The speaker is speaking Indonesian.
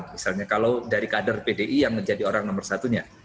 misalnya kalau dari kader pdi yang menjadi orang nomor satunya